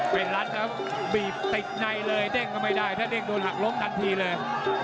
เป็นรัฐครับบีบติดในเลยเด้งก็ไม่ได้ถ้าเด้งโดนหักล้มทันทีเลย